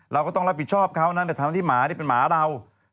เราก็ต้องรับผิดชอบเขานั้นแต่ทั้งที่หมานี่เป็นหมาเรา